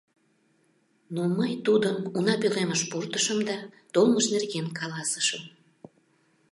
Но мый тудым уна пӧлемыш пуртышым да толмыж нерген каласышым.